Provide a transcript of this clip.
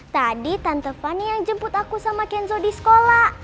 tadi tante fani yang jemput aku sama kenzo di sekolah